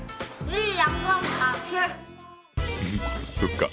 そっか。